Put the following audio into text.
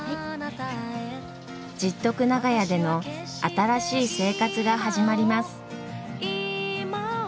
十徳長屋での新しい生活が始まります。